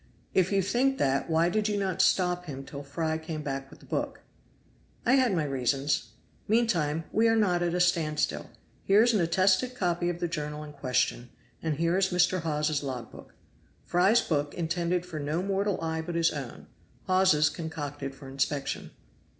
"If you think that, why did you not stop him till Fry came back with the book?" "I had my reasons; meantime we are not at a stand still. Here is an attested copy of the journal in question; and here is Mr. Hawes's log book. Fry's book intended for no mortal eye but his own; Hawes's concocted for inspection."